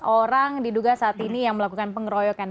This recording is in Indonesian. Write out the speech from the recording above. dua belas orang diduga saat ini yang melakukan pengeroyokan